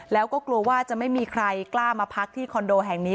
แล้วก็กลัวว่าจะไม่มีใครกล้ามาพักที่คอนโดแห่งนี้